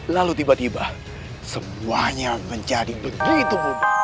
lalu tiba tiba semuanya menjadi begitu mudah